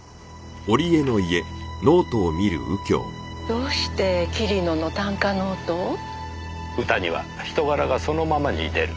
どうして桐野の短歌ノートを？歌には人柄がそのままに出る。